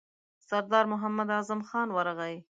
سردار محمد اعظم خان ورغی.